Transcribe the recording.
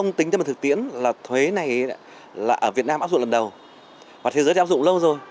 mình thực tiễn là thuế này là ở việt nam áp dụng lần đầu và thế giới đã áp dụng lâu rồi